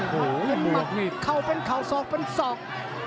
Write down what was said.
เป็นมัดเข่าเป็นเข่าศอกเป็นศอก